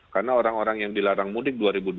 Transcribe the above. karena orang orang yang dilarang mudik dua ribu dua puluh